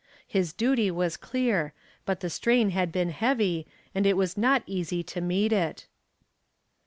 His duty was clear, but the strain had been heavy and it was not easy to meet it.